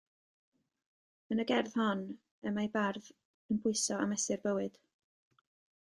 Yn y gerdd hon, y mae'r bardd yn pwyso a mesur bywyd.